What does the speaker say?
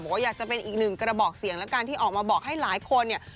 บอกว่าอยากจะเป็นอีกหนึ่งกระบอกเสียงแล้วกันที่ออกมาบอกให้หลายคนเนี่ย